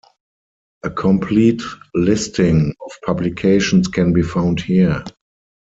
A complete listing of publications can be found here.